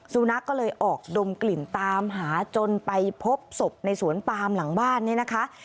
สุนัขก็เลยออกดมกลิ่นตามหาจนไปพบศพในสวนปามหลังบ้านเนี่ยนะคะ